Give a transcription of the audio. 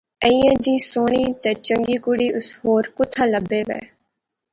ایہہ جئی سوہنی تے چنگی کڑی اس ہور کھاناں لبے وا